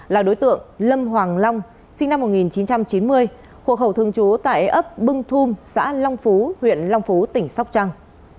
là đối tượng lâm hoàng long sinh năm một nghìn chín trăm chín mươi hộ khẩu thường trú tại ấp bưng thum xã long phú huyện long phú tỉnh sóc trăng